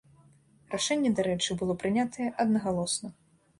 Рашэнне, дарэчы, было прынятае аднагалосна.